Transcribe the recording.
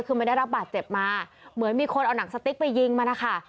คือไม่ได้รับบาดเจ็บมาเหมือนมีคนเอาหนังสติ๊กไปยิงมันนะคะ